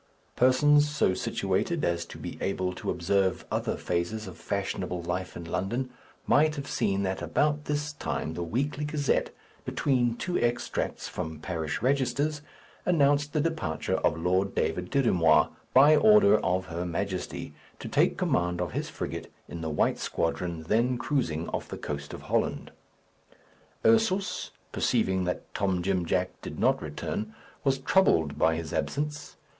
Persons so situated as to be able to observe other phases of fashionable life in London, might have seen that about this time the Weekly Gazette, between two extracts from parish registers, announced the departure of Lord David Dirry Moir, by order of her Majesty, to take command of his frigate in the white squadron then cruising off the coast of Holland. Ursus, perceiving that Tom Jim Jack did not return, was troubled by his absence.